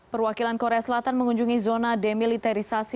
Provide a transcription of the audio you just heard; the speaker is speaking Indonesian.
perwakilan korea selatan mengunjungi zona demilitarisasi